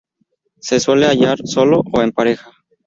Se suele hallar solo o en pareja.